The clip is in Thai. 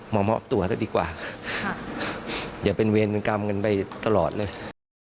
มามอบตัวซะดีกว่าค่ะเดี๋ยวเป็นเวรกรรมเงินไปตลอดเลย